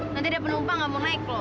nanti ada penumpang nggak mau naik loh